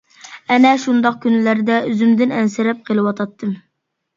ئەنە شۇنداق كۈنلەردە ئۆزۈمدىن ئەنسىرەپ قېلىۋاتاتتىم.